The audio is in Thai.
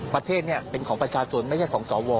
ประเทศนี้เป็นของประชาชนไม่ใช่ของสว